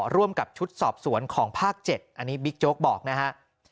ร่วมกับชุดสอบสวนของภาค๗อันนี้บิ๊กโจ๊กบอกนะฮะ